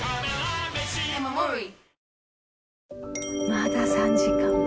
まだ３時間も。